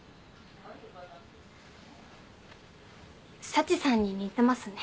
幸さんに似てますね。